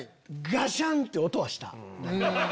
ガシャン！って音はした。